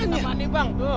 ini tempat ini bang